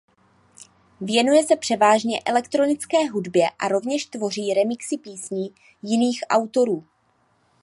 Věnuje se převážně elektronické hudbě a rovněž tvoří remixy písní jiných autorů.